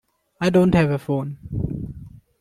I don't have a phone.